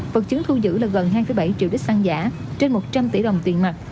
vật chứng thu giữ là gần hai bảy triệu lít xăng giả trên một trăm linh tỷ đồng tiền mặt